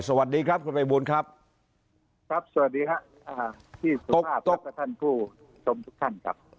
สวัสดีครับคุณภัยบูลครับครับสวัสดีครับพี่สุภาพกับท่านผู้ชมทุกท่านครับ